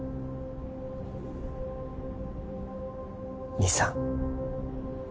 兄さん